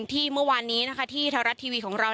ที่เมื่อวานนี้นะคะที่ไทยรัฐทีวีของเรา